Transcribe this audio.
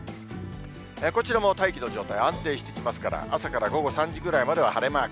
こちらも大気の状態、安定してきますから、朝から午後３時ぐらいまでは晴れマーク。